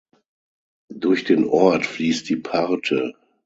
Durch den Ort fließt die Parthe.